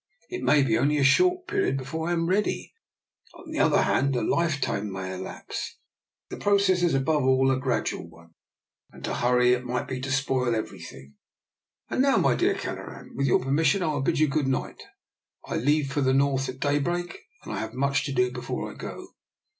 It may be only a short period before I am ready; on the other hand a lifetime may elapse. The process is above all a gradual one, and to hurry it might be to spoil every thing. And now, my dear Kelleran, with your permission I will bid you good night. I leave for the North at daybreak, and I hav^ much to do before I go.